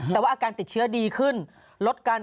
แต่ว่าอาการติดเชื้อดีขึ้นลดการ